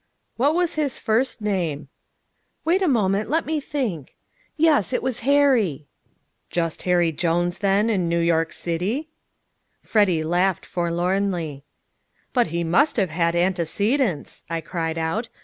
"What was his first name?" "Wait a moment ... let me think ... yes, it was Harry." "Just Harry Jones, then, New York City?" Freddy laughed forlornly. "But he must have had antecedents," I cried out.